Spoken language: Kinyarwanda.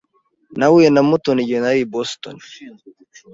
Nahuye na Mutoni igihe nari i Boston.